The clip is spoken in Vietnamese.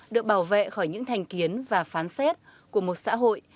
được bảo vệ khỏi những thành kiến và phán xét của một xã hội